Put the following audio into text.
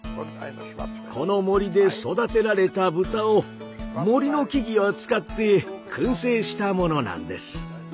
この森で育てられた豚を森の木々を使って燻製したものなんです。